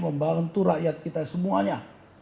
membantu rakyat kita semuanya